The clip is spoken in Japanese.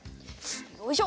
よいしょ。